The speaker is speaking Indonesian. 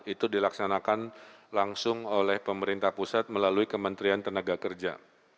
itu dilaksanakan langsung oleh pemerintah pusat melalui kementerian tenaga kerja